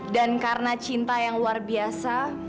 dan karena cinta yang luar biasa